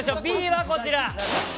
Ｂはこちら。